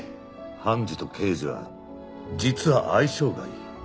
判事と刑事は実は相性がいい。